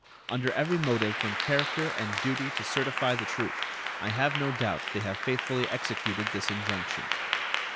Under every motive from character and duty to certify the truth, I have no doubt they have faithfully executed this injunction.